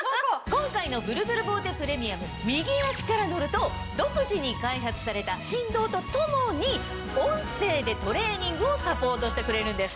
今回のブルブルボーテプレミアム右足から乗ると独自に開発された振動とともに音声でトレーニングをサポートしてくれるんです。